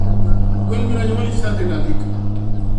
ګل مې را نیولی چې تاته یې ډالۍ کړم